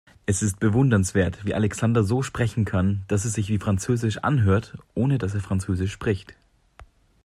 Es ist bewundernswert, wie Alexander so sprechen kann, dass es sich wie französisch anhört, ohne dass er französisch spricht.